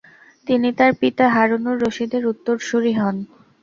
তিনি তার পিতা হারুনুর রশিদের উত্তরসুরি হন।